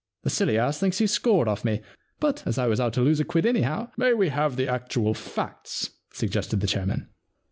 The silly ass thinks he's scored off me, but as I was out to lose a quid anyhow '* May we have the actual facts ?* sug gested the chairman.